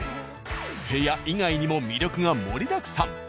部屋以外にも魅力が盛りだくさん。